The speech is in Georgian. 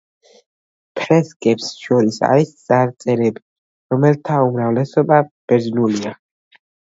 ფრესკებს შორის არის წარწერები, რომელთა უმრავლესობა ბერძნულია.